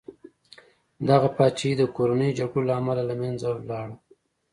دغه پاچاهي د کورنیو جګړو له امله له منځه لاړه.